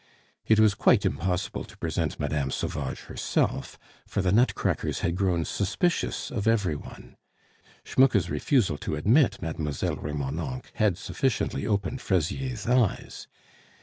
It was quite impossible to present Mme. Sauvage herself, for the "nutcrackers" had grown suspicious of every one. Schmucke's refusal to admit Mlle. Remonencq had sufficiently opened Fraisier's eyes.